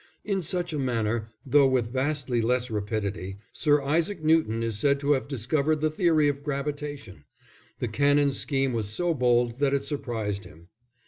In such a manner, though with vastly less rapidity, Sir Isaac Newton is said to have discovered the theory of gravitation. The Canon's scheme was so bold that it surprised him.